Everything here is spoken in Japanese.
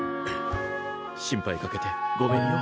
心配かけてごめんよ。